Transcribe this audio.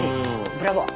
ブラボー。